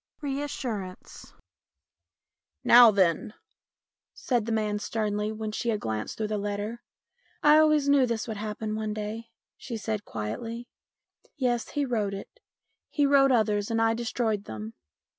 Ill REASSURANCE " Now then," said the man sternly when she had glanced through the letter. " I always knew this would happen one day," she said quietly. "Yes, he wrote it. He wrote others and I destroyed them.